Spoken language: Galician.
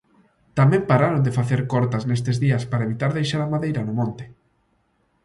Tamén pararon de facer cortas nestes días para evitar deixar a madeira no monte.